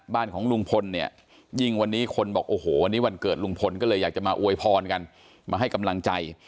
บ้านของลุงพลเนี่ยยิ่งวันนี้คนบอกโอ้โหวันนี้วันเกิดลุงพลก็เลยอยากจะมาอวยพรกันมาให้กำลังใจ